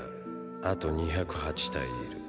あと２０８体いる。